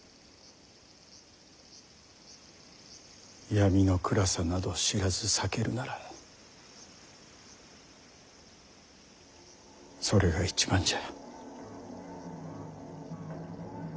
闇の暗さなど知らず咲けるならそれが一番じゃ。